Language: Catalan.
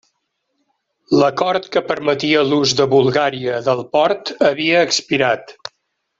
L'acord que permetia l'ús de Bulgària del port havia expirat.